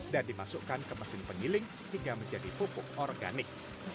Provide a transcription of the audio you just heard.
dan dimasukkan ke mesin pengiling hingga menjadi pupuk organik